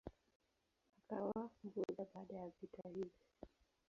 Akawa Mbudha baada ya vita hivi.